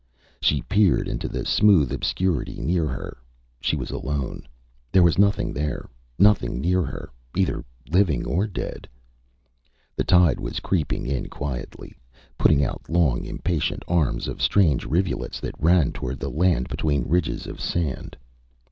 She peered into the smooth obscurity near her. She was alone. There was nothing there; nothing near her, either living or dead. The tide was creeping in quietly, putting out long impatient arms of strange rivulets that ran towards the land between ridges of sand.